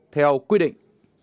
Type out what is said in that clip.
theo quy định